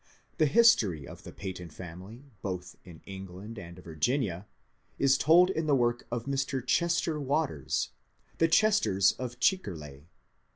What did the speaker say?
The his tory of the Peyton family both in England and Virginia is told in the work of Mr. Chester Waters, ^^ The Chesters of Chicheley."